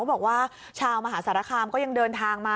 บอกว่าชาวมหาสารคามก็ยังเดินทางมา